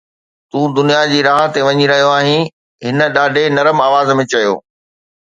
”تون دنيا جي راهه تي وڃي رهيو آهين،“ هن ڏاڍي نرم آواز ۾ چيو.